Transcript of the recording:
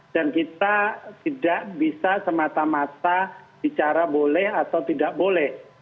dan kita tidak bisa semata mata bicara boleh atau tidak boleh